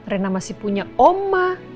rena masih punya oma